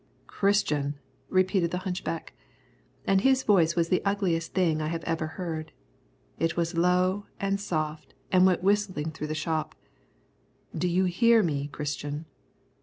"Christian!" repeated the hunchback, and his voice was the ugliest thing I have ever heard. It was low and soft and went whistling through the shop. "Do you hear me, Christian?"